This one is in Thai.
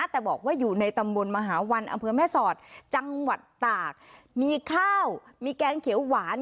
แต่บอกว่าอยู่ในตำบลมหาวันอำเภอแม่สอดจังหวัดตากมีข้าวมีแกงเขียวหวาน